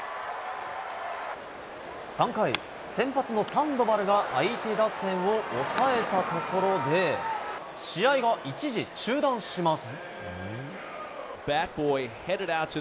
３回、先発のサンドバルが相手打線を抑えたところで、試合が一時中断します。